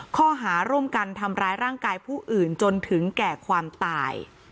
ข้อหาร่วมกันทำร้ายร่างกายผู้อื่นจนถึงแก่ความตาย